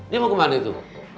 dia mau ke mana itu